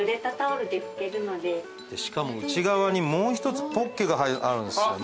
しかも内側にもう一つポッケがあるんすよねちっちゃい。